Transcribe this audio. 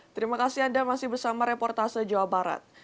terima kasih anda masih bersama reportase jawa barat